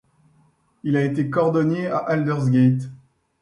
Il a été cordonnier à Aldersgate.